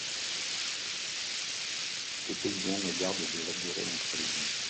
Le paysan n'a garde de labourer entre les vignes.